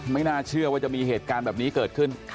ไม่น่าเชื่อว่าจะมีเหตุการณ์แบบนี้เกิดขึ้น